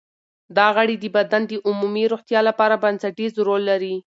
دا غړي د بدن د عمومي روغتیا لپاره بنسټیز رول لري.